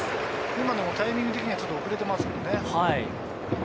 今のもタイミング的にはちょっと遅れてますもんね。